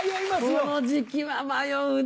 この時期は迷うな。